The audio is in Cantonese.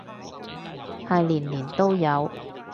係年年都有